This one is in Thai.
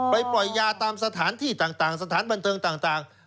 ปล่อยยาตามสถานที่ต่างสถานบันเทิงต่าง